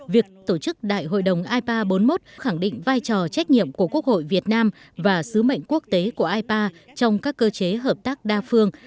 việc tổ chức đại hội đồng ipa bốn mươi một khẳng định vai trò trách nhiệm của quốc hội việt nam và sứ mệnh quốc tế của ipa trong các cơ chế hợp tác đa phương